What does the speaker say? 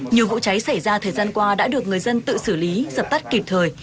nhiều vụ cháy xảy ra thời gian qua đã được người dân tự xử lý dập tắt kịp thời